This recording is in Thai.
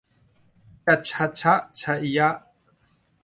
จะฉะชะฌะญะ